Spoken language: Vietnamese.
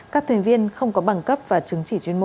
các thuyền viên không có bằng cấp và chứng chỉ chuyên môn